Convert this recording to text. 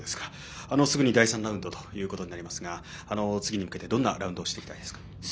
すぐに第３ラウンドということになりますが次に向けてどんなラウンドをしていきたいですか。